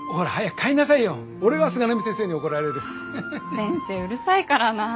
先生うるさいからなぁ。